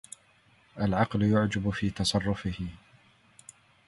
العقل يعجب في تصرفه